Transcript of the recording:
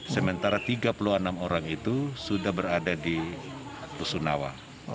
sementara tiga puluh enam orang itu sudah berada di rusunawa